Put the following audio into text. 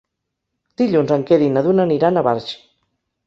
Dilluns en Quer i na Duna aniran a Barx.